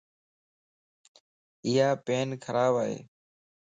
ايا پين خراب ائي.